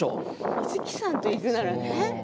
観月さんと行くならね。